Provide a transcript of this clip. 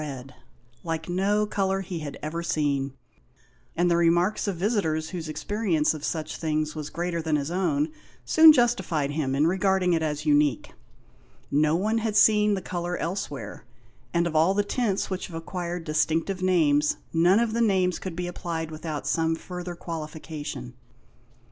red, like no colour he had ever seen, and the remarks of visitors whose experience of such things was greater than his own soon justified him in regarding it as unique. No one had seen the colour elsewhere ; and of all the tints which have acquired distinctive names, none of the names could be applied without some further qualification.